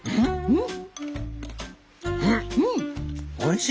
うん。